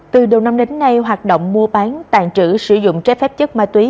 từ đầu năm đến nay hoạt động mua bán tàn trữ sử dụng trái phép chất ma túy